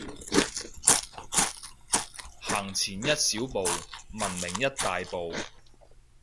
行前一小步，文明一大步